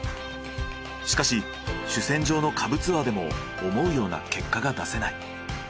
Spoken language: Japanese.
しかし主戦場の下部ツアーでも思うような結果が出せない。